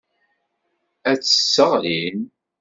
Ad tt-sseɣlin.